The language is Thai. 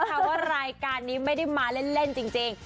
บอกเลยนะคะว่ารายการนี้ไม่ได้มาเล่นจริง